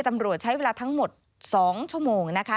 ตำรวจใช้เวลาทั้งหมด๒ชั่วโมงนะคะ